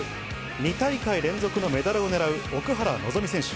２大会連続のメダルをねらう奥原希望選手。